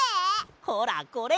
ほらこれ。